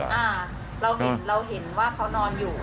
อ่าเราเห็นเราเห็นว่าเขานอนอยู่